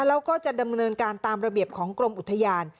แล้วก็จะดำเนินการตามระเบียบของกรมอุทยาน